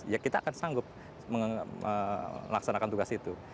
ya kita akan sanggup melaksanakan tugas itu